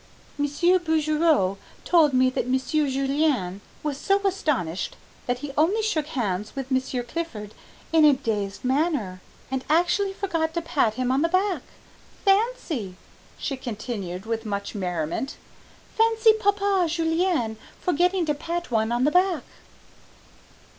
"Monsieur Bouguereau told me that Monsieur Julian was so astonished that he only shook hands with Monsieur Clifford in a dazed manner, and actually forgot to pat him on the back! Fancy," she continued with much merriment, "fancy papa Julian forgetting to pat one on the back."